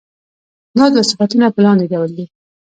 دا دوه صفتونه په لاندې ډول دي.